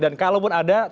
dan kalau pun ada